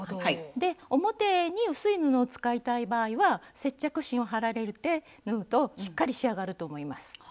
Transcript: で表に薄い布を使いたい場合は接着芯を貼られて縫うとしっかり仕上がると思います。